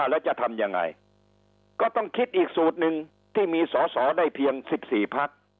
แล้วจะทำยังไงก็ต้องคิดอีกสูตรหนึ่งที่มีสอสอได้เพียง๑๔พัก